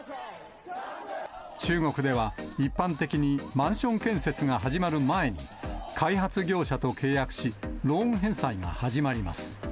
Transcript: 中国では、一般的にマンション建設が始まる前に、開発業者と契約し、ローン返済が始まります。